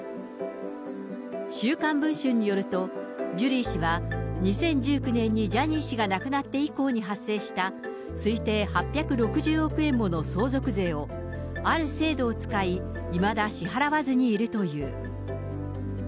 週刊文春によると、ジュリー氏は２０１９年にジャニー氏が亡くなって以降に発生した推定８６０億円もの相続税を、ある制度を使い、いまだ支払わずにいるという。